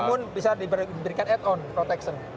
namun bisa diberikan ad on protection